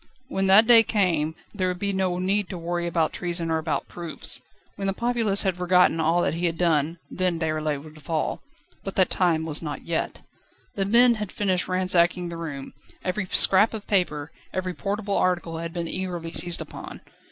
When that day came there would be no need to worry about treason or about proofs. When the populace had forgotten all that he had done, then Déroulède would fall. But that time was not yet. The men had finished ransacking the room; every scrap of paper, every portable article had been eagerly seized upon.